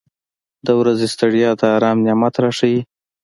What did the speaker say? • د ورځې ستړیا د آرام نعمت راښیي.